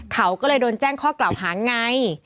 เขาก็เลยโดนแจ้งข้อกล่าวหาไง